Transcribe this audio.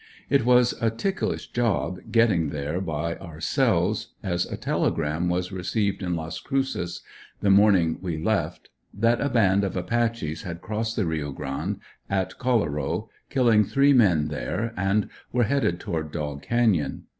It was a ticklish job going there by ourselves, as a telegram was received in Las Cruces, the morning we left, that a band of Apache's had crossed the Rio Grande at Colorow, killing three men there, and were headed toward Dog canyon.